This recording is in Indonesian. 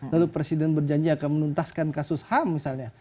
lalu presiden berjanji akan menuntaskan kasus ham misalnya